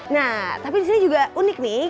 nah tapi disini juga unik nih